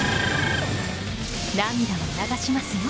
涙は流しますよ。